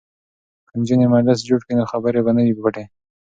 که نجونې مجلس جوړ کړي نو خبرې به نه وي پټې.